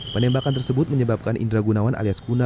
penembakan tersebut menyebabkan indra gunawan alias kuna